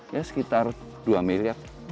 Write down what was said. ya sekitar dua miliar